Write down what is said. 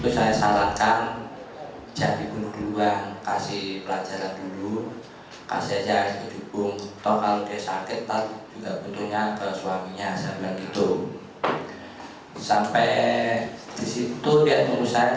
saya cari hari pertama saya kasih dia tidak berani melakukan